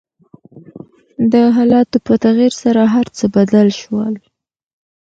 د حالاتو په تغير سره هر څه بدل شول .